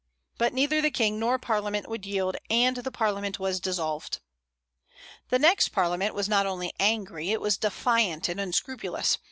But neither the King nor Parliament would yield, and the Parliament was dissolved. The next Parliament was not only angry, it was defiant and unscrupulous.